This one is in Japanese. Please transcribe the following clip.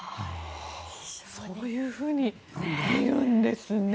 そういうふうに見るんですね。